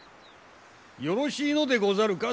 よろしいのでござるか？